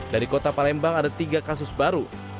dari kota palembang ada tiga kasus baru